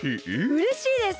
うれしいです！